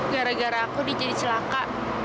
gara gara aku di jadi celaka